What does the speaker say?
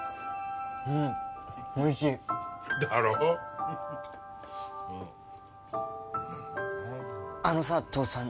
うんおいしいだろあのさ父さん